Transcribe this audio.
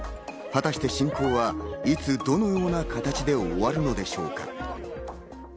果たして、侵攻はいつどのような形で終わるのでしょうか？